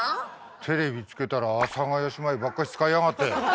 テレビつけたら阿佐ヶ谷姉妹ばっかし使いやがって。